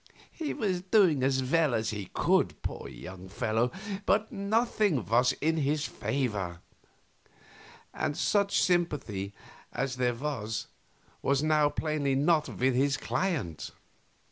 He was doing as well as he could, poor young fellow, but nothing was in his favor, and such sympathy as there was was now plainly not with his client.